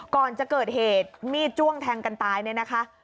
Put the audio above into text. ก่อนจะเกิดเหตุมีดจ้วงแทงกันตายเนี่ยนะคะ